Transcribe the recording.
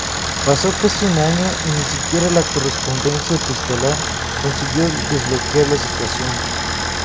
Pasó casi un año y ni siquiera la correspondencia epistolar consiguió desbloquear la situación.